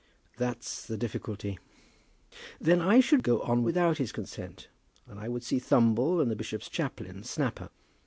"That's the difficulty." "Then I should go on without his consent, and I would see Thumble and the bishop's chaplain, Snapper.